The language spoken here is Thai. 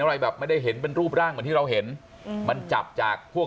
อะไรแบบไม่ได้เห็นเป็นรูปร่างเหมือนที่เราเห็นอืมมันจับจากพวก